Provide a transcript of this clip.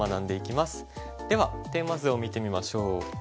ではテーマ図を見てみましょう。